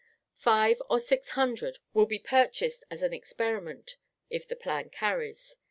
Five or six hundred will be purchased as an experiment, if the plan carries.